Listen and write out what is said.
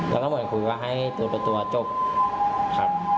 แล้วก็หมดคุยว่าให้ตัวตัวตัวจบครับ